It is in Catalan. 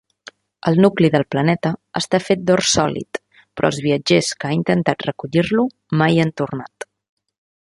El nucli del planeta està fet d'or sòlid, però els viatgers que ha intentat recollir-lo mai han tornat.